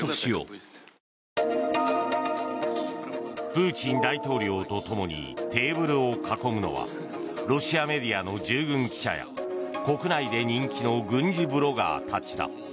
プーチン大統領と共にテーブルを囲むのはロシアメディアの従軍記者や国内で人気の軍事ブロガーたちだ。